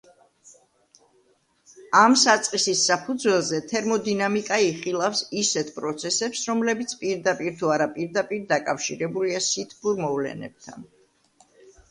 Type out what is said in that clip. ამ საწყისის საფუძველზე თერმოდინამიკა იხილავს ისეთ პროცესებს, რომლებიც პირდაპირ თუ არაპირდაპირ დაკავშირებულია სითბურ მოვლენებთან.